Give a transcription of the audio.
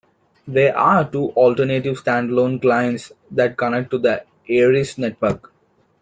There are two alternative stand-alone clients that connect to the Ares network.